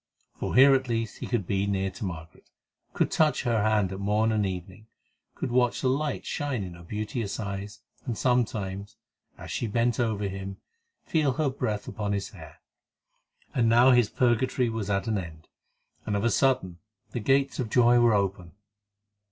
For here at least he could be near to Margaret, could touch her hand at morn and evening, could watch the light shine in her beauteous eyes, and sometimes, as she bent over him, feel her breath upon his hair. And now his purgatory was at an end, and of a sudden the gates of joy were open.